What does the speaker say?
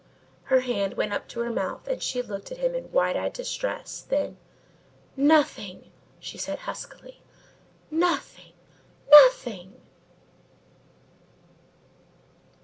Her hand went up to her mouth and she looked at him in wide eyed distress, then: "Nothing!" she said huskily. "Nothing, nothing!"